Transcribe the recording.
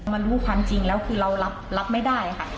มันรู้ความจริงแล้วคือเรารับไม่ได้ค่ะ